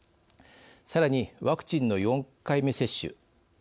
さらに、ワクチンの４回目接種。